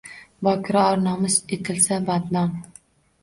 Bokira or-nomus etilsa badnom.